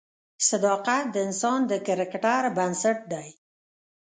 صداقت د انسان د کرکټر بنسټ دی.